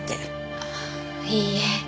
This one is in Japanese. いいえ。